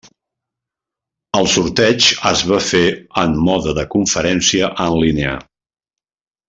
El sorteig es va fer en mode de conferència en línia.